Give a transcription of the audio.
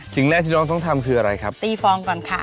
สิ่งแรกที่น้องต้องทำคืออะไรครับตีฟองก่อนค่ะ